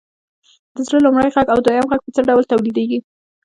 د زړه لومړی غږ او دویم غږ په څه ډول تولیدیږي؟